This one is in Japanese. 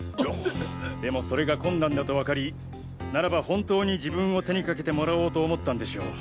でもそれが困難だとわかりならば本当に自分を手にかけてもらおうと思ったんでしょう。